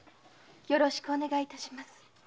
よろしくお願いします。